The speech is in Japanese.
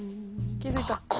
気付いた。